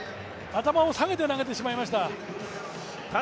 頭を下げて投げてしまいました。